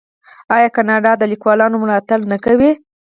آیا کاناډا د لیکوالانو ملاتړ نه کوي؟